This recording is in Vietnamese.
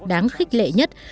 đáng khích lệ nhất